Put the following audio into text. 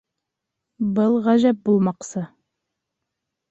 Был ғәжәп булмаҡсы!